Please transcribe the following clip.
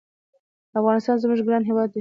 افغانستان زمونږ ګران هېواد دی